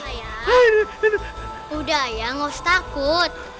ayah udah ya nggak usah takut